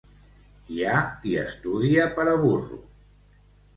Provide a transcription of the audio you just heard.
Hi ha qui estudia per a burro.